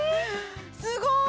すごい！